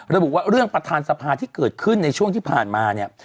ระบุว่าเรื่องประธานสภาที่เกิดขึ้นในช่วงที่ผ่านมาเนี่ย